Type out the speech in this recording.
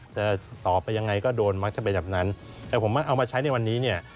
ต่อไปยังไงก็โดนมักจะเป็นแบบนั้นแต่ผมเอามาใช้ในวันนี้เนี่ย